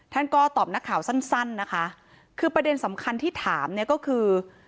ท่านก็ตอบนักข่าวสั้นสั้นนะคะคือประเด็นสำคัญที่ถามเนี่ยก็คือ